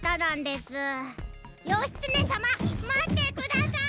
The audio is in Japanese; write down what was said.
義経さままってください！